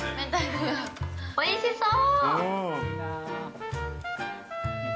おいしそう。